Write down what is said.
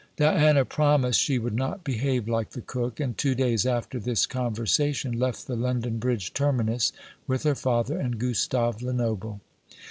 Diana promised she would not behave like the cook; and two days after this conversation left the London Bridge terminus with her father and Gustave Lenoble.